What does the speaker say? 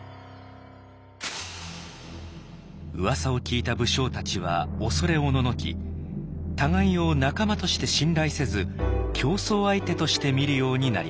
うわさを聞いた武将たちは恐れおののき互いを仲間として信頼せず競争相手として見るようになりました。